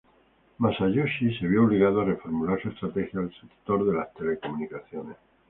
Masayoshi se vio obligado a reformular su estrategia al sector de las telecomunicaciones.